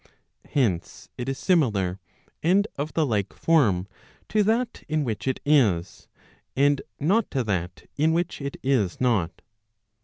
Hence, it is similar and of the like form to that in* which it is, and not to that in which it is not.